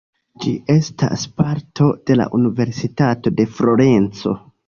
Ĝi estas parto de la Universitato de Florenco.